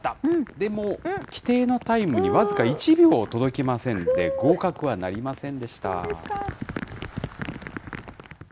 でも、規定のタイムに僅か１秒届きませんで、合格はなりませんでした。